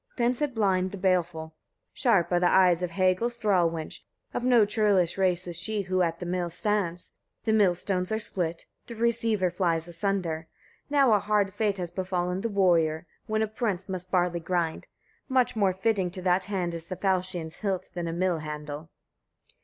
Then said Blind the Baleful: 2. Sharp are the eyes of Hagal's thrall wench; of no churlish race is she who at the mill stands. The millstones are split, the receiver flies asunder. Now a hard fate has befallen the warrior, when a prince must barley grind: much more fitting to that hand is the falchion's hilt than a mill handle.